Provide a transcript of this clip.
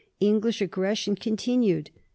English aggression continued. Mr.